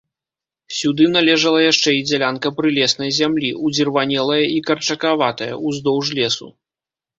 Сюды належала яшчэ і дзялянка прылеснай зямлі, удзірванелая і карчакаватая, уздоўж лесу.